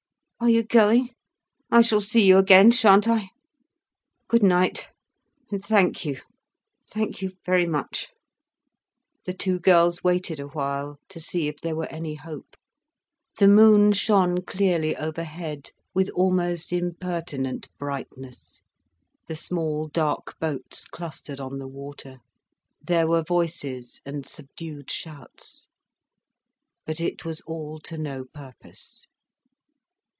Are you going? I shall see you again, shan't I? Good night, and thank you. Thank you very much!" The two girls waited a while, to see if there were any hope. The moon shone clearly overhead, with almost impertinent brightness, the small dark boats clustered on the water, there were voices and subdued shouts. But it was all to no purpose.